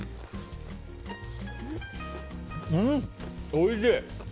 おいしい！